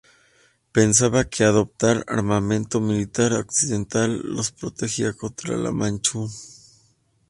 Pensaba que adoptar armamento militar occidental los protegería contra los Manchú.